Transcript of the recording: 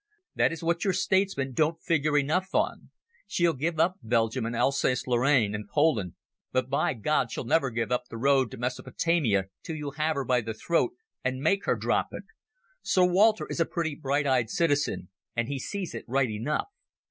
That is what your statesmen don't figure enough on. She'll give up Belgium and Alsace Lorraine and Poland, but by God! she'll never give up the road to Mesopotamia till you have her by the throat and make her drop it. Sir Walter is a pretty bright eyed citizen, and he sees it right enough.